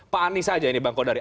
pak anies saja ini bang kodari